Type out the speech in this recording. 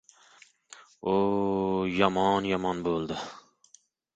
O‘-o‘-o‘, yomon-yomon bo‘ldi!